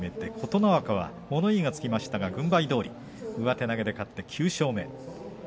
琴ノ若は物言いがつきましたが軍配どおり上手投げで勝って９勝目。